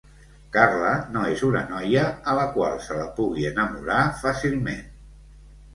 Carla no és una noia a la qual se la pugui enamorar fàcilment.